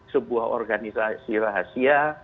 sebuah organisasi rahasia